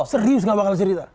serius nggak bakal cerita